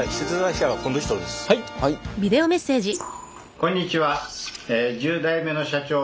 こんにちは。